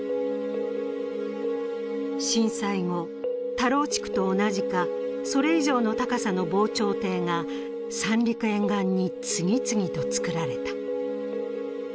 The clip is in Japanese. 震災後、田老地区と同じか、それ以上の高さの防潮堤が三陸沿岸に次々と造られた。